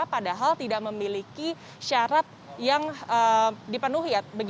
padahal tidak memiliki syarat yang dipenuhi